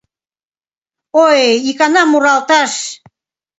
Ой, икана муралташ!